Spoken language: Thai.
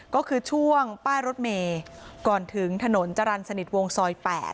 ก็คือช่วงป้ายรถเมย์ก่อนถึงถนนจรรย์สนิทวงซอย๘